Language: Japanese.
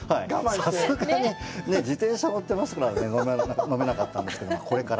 さすがに自転車乗ってますからね、飲めなかったんですが、これから。